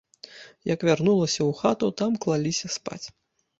Як вярнулася ў хату, там клаліся спаць.